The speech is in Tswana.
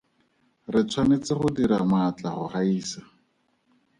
Re tshwanetse go dira maatla go gaisa.